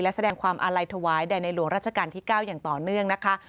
และแสดงความอาลัยถวายแด่ในหลวงราชการที่๙อย่างต่อเนื่องนะคะ